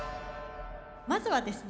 まずはですね